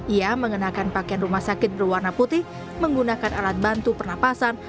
ia mengenakan pakaian rumah sakit berwarna putih menggunakan alat bantu pernapasan